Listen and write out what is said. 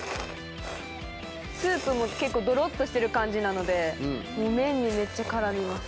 スープも結構ドロっとしてる感じなので麺にめっちゃ絡みます。